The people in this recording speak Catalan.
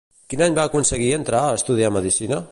Quin any va aconseguir entrar a estudiar medicina?